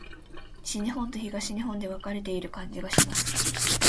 西日本と東日本で分かれている感じがします。